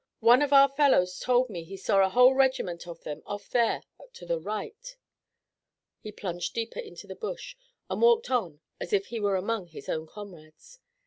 One of our fellows told me he saw a whole regiment of them off there to the right." He plunged deeper into the bush and walked on as if he were among his own comrades.